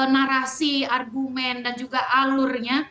narasi argumen dan juga alurnya